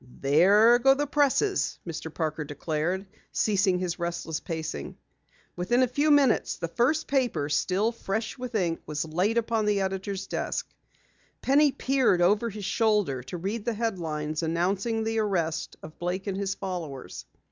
"There go the presses!" Mr. Parker declared, ceasing his restless pacing. Within a few minutes, the first paper, still fresh with ink, was laid upon the editor's desk. Penny peered over his shoulder to read the headlines announcing the arrest of Blake and his followers.